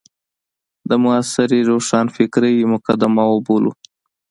د معاصرې روښانفکرۍ مقدمه وبولو.